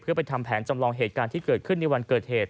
เพื่อไปทำแผนจำลองเหตุการณ์ที่เกิดขึ้นในวันเกิดเหตุ